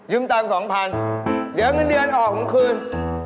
ยืมตังค์๒๐๐๐เดี๋ยวเงินเดือนออกผมคืน